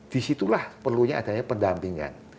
disitulah perlunya adanya pendampingan